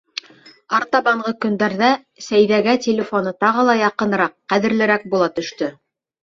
Артабанғы көндәрҙә Сәйҙәгә телефоны тағы ла яҡыныраҡ, ҡәҙерлерәк була төштө.